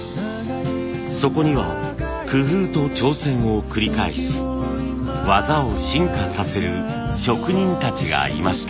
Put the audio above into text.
そこには工夫と挑戦を繰り返し技を進化させる職人たちがいました。